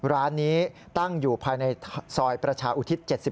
ร้านนี้ตั้งอยู่ภายในซอยประชาอุทิศ๗๒